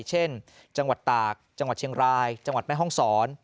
เช่นจังหวัดตากจังหวัดเชียงรายจังหวัดแม่ห้องศร